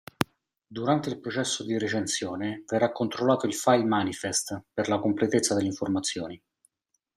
Durante il processo di recensione verrà controllato il file manifest per la completezza delle informazioni.